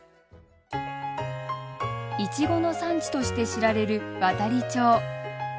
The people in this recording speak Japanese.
いちごの産地として知られる亘理町。